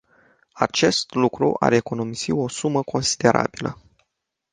Acest lucru ar economisi o sumă considerabilă.